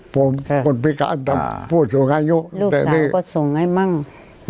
ผมคนพิการทั้งผู้ส่งอายุ